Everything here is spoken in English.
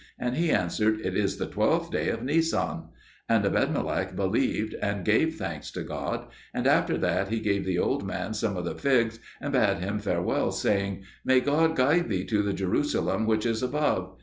And he answered, "It is the twelfth day of Nisan." And Ebedmelech believed, and gave thanks to God; and after that he gave the old man some of the figs, and bade him farewell, saying, "May God guide thee to the Jerusalem which is above."